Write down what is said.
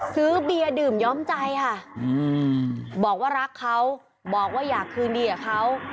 ซื้อเบียร์ดื่มย้อมใจค่ะบอกว่ารักเขาบอกว่าอยากคืนดีกับเขา